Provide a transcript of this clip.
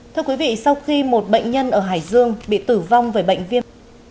thưa quý vị sau khi một bệnh nhân ở hải dương bị tử vong với bệnh viêm